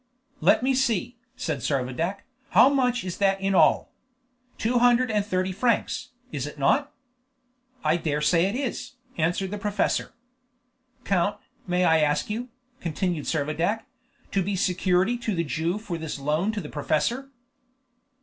"Let me see," said Servadac, "how much is that in all? Two hundred and thirty francs, is it not?" "I dare say it is," answered the professor. "Count, may I ask you," continued Servadac, "to be security to the Jew for this loan to the professor?"